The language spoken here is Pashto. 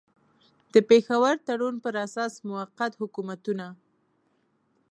د پېښور تړون پر اساس موقت حکومتونه.